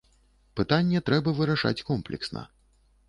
Пытанне трэба вырашаць комплексна.